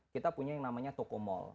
kita punya yang namanya tokomall